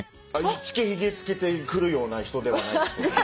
付けひげ付けて来るような人ではないです。